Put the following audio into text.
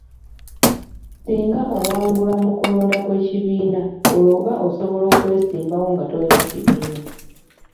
Singa owangulwa mu kulonda kw'ekibiina olwo oba osobola okwesimbawo nga tolina kibiina.